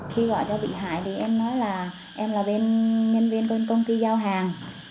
khi gọi cho bị hại thì em nói là em là bên nhân viên bên công ty giao hàng